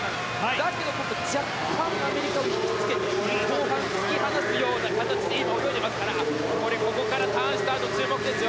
だけど若干アメリカを引きつけて後半、突き放すような形で泳いでいますからここからターンしたあと注目ですよ。